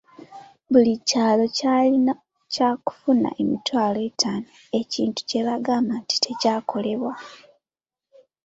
Buli kyalo kyali kyakufuna emitwalo etaano, ekintu kye bagamba nti tekyakolebwa.